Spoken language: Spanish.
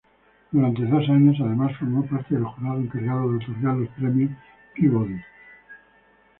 Durante dos años, además, formó parte del jurado encargado de otorgar los Premios Peabody.